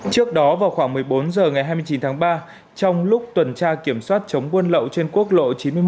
trước đó vào khoảng một mươi bốn h ngày hai mươi chín tháng ba trong lúc tuần tra kiểm soát chống buôn lậu trên quốc lộ chín mươi một